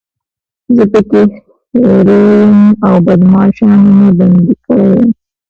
زه پکې هیرو یم او بدماشانو مې بندي کړی یم.